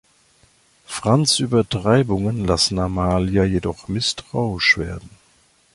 Franz' Übertreibungen lassen Amalia jedoch misstrauisch werden.